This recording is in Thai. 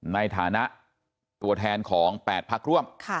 ในฐานะตัวแทนของ๘พักร่วม